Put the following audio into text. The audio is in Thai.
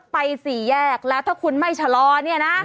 สี่แยกแล้วถ้าคุณไม่ชะลอเนี่ยนะ